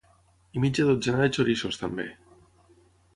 I mitja dotzena de xoriços també